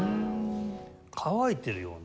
乾いてるような。